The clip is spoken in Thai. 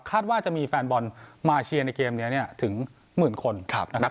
ว่าจะมีแฟนบอลมาเชียร์ในเกมนี้ถึงหมื่นคนนะครับ